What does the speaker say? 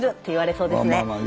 そうですね。